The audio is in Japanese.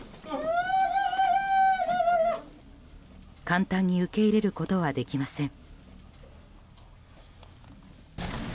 簡単に受け入れることはできません。